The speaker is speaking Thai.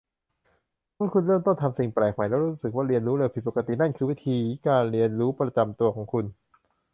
เมื่อคุณเริ่มต้นทำสิ่งแปลกใหม่แล้วรู้สึกว่าเรียนรู้เร็วผิดปกติ นั่นคือวิถีการเรียนรู้ประจำตัวของคุณ